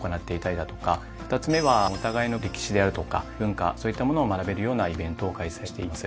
２つ目はお互いの歴史であるとか文化そういったものを学べるようなイベントを開催しています。